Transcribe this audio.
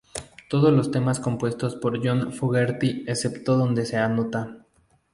Todos los temas compuestos por John Fogerty excepto donde se anota.